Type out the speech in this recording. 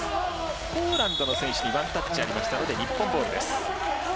ポーランドの選手にワンタッチありましたので日本ボールです。